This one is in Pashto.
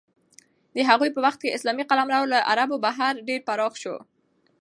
د هغوی په وخت کې اسلامي قلمرو له عربو بهر ډېر پراخ شو.